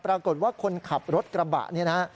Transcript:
ปรากฏว่าคนขับรถกระบะนี่นะ